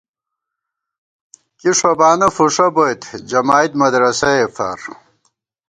کی ݭوبانہ فُݭہ بوئیت، جمائید مدرَسَئے فار